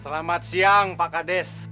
selamat siang pak kades